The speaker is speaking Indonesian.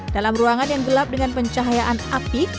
dalam ruangan yang gelap dengan pencahayaan api